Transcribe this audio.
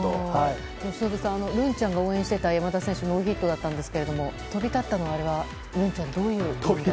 由伸さん、るんちゃんが応援していた山田選手はノーヒットだったんですけれども飛び立ったのはるんちゃん、どういう。